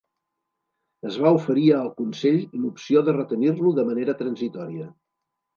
Es va oferir al consell l'opció de retenir-lo de manera transitòria.